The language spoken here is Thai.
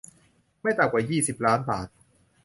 ไม่ต่ำกว่ายี่สิบล้านบาท